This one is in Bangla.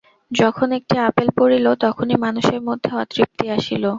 যখন একটি আপেল পড়িল, তখনই মানুষের মধ্যে অতৃপ্তি আসিল।